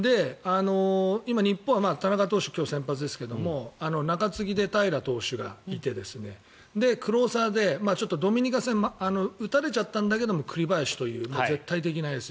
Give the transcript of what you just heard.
今、日本は田中投手、今日先発ですが中継ぎで平良投手がいてクローザーでドミニカ戦打たれたんだけど栗林という絶対的なエース。